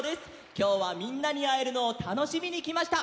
きょうはみんなにあえるのをたのしみにきました。